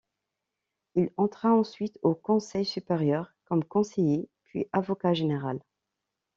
Il entra ensuite au Conseil supérieur comme conseiller, puis avocat général.